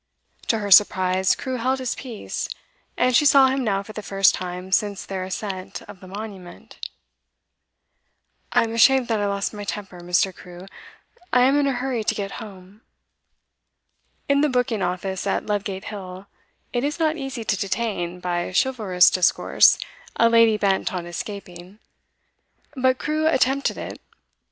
To her surprise, Crewe held his peace, and she saw him now for the first time since their ascent of the Monument. 'I'm ashamed that I lost my temper, Mr. Crewe. I am in a hurry to get home.' In the booking office at Ludgate Hill it is not easy to detain, by chivalrous discourse, a lady bent on escaping; but Crewe attempted it.